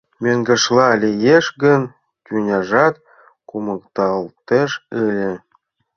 Мӧҥгешла лиеш гын, тӱняжат кумыкталтеш ыле.